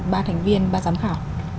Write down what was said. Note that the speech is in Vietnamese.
ba thành viên ba giám khảo